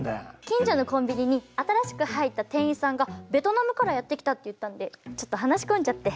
近所のコンビニに新しく入った店員さんがベトナムからやって来たって言ったんでちょっと話し込んじゃって。